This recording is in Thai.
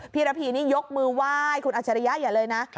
พี่ระพีนี่ยกมือไหว้คุณอัชริยะอย่าเลยนะ